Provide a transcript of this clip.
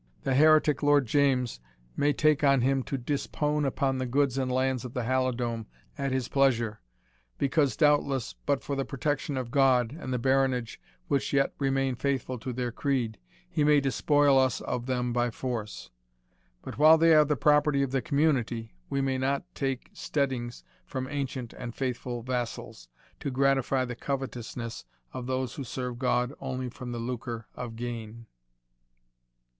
The heretic Lord James may take on him to dispone upon the goods and lands of the Halidome at his pleasure, because, doubtless, but for the protection of God, and the baronage which yet remain faithful to their creed, he may despoil us of them by force; but while they are the property of the Community, we may not take steadings from ancient and faithful vassals, to gratify the covetousness of those who serve God only from the lucre of gain."